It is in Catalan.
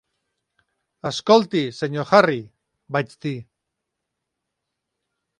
"Escolti, Sr. Harry", vaig dir.